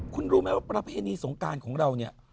คุณรู้ไหมว่าประเพณีสงการของเราเนี่ย